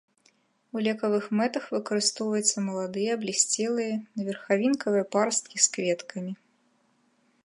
У лекавых мэтах выкарыстоўваюцца маладыя аблісцелыя верхавінкавыя парасткі з кветкамі.